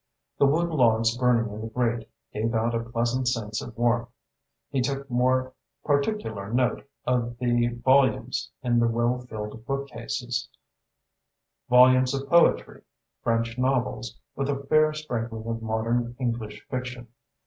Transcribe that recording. The wood logs burning in the grate gave out a pleasant sense of warmth. He took more particular note of the volumes in the well filled bookcases, volumes of poetry, French novels, with a fair sprinkling of modern English fiction.